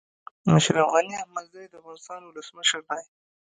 اشرف غني احمدزی د افغانستان ولسمشر دی